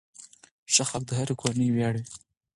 ښه خلک د هرې کورنۍ ویاړ وي.